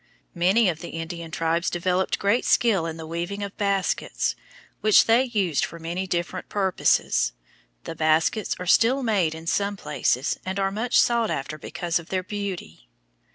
Many of the Indian tribes developed great skill in the weaving of baskets, which they used for many different purposes. The baskets are still made in some places, and are much sought after because of their beauty.